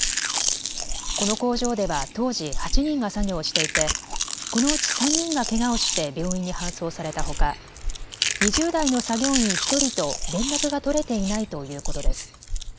この工場では当時、８人が作業をしていてこのうち３人がけがをして病院に搬送されたほか２０代の作業員１人と連絡が取れていないということです。